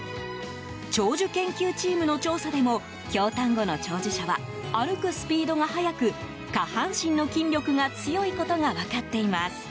長寿研究チームの調査でも京丹後の長寿者は歩くスピードが速く下半身の筋力が強いことが分かっています。